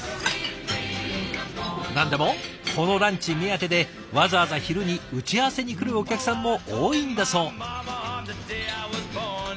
何でもこのランチ目当てでわざわざ昼に打ち合わせに来るお客さんも多いんだそう。